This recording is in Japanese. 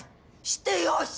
してよし！